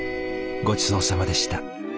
ごちそうさまでした。